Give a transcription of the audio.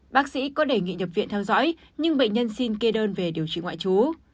bác sĩ có đề nghị nhập viện theo dõi nhưng bệnh nhân xin kê đơn về điều trị ngoại trú